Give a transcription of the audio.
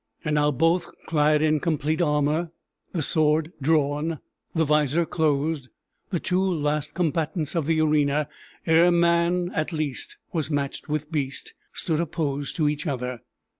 And now both, clad in complete armor, the sword drawn, the visor closed, the two last combatants of the arena (ere man, at least, was matched with beast) stood opposed to each other.